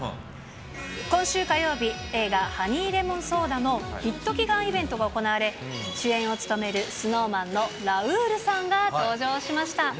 今週火曜日、映画、ハニーレモンソーダのヒット祈願イベントが行われ、主演を務めるＳｎｏｗＭａｎのラウールさんが登場しました。